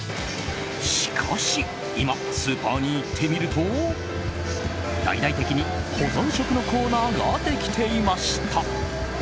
しかし今スーパーに行ってみると大々的に保存食のコーナーができていました。